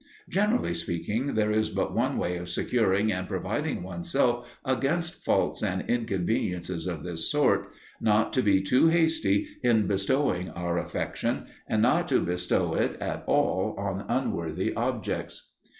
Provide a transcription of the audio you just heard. Generally speaking, there is but one way of securing and providing oneself against faults and inconveniences of this sort not to be too hasty in bestowing our affection, and not to bestow it at all on unworthy objects.